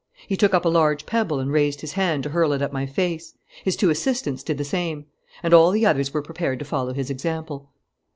He took up a large pebble and raised his hand to hurl it at my face. His two assistants did the same. And all the others were prepared to follow his example.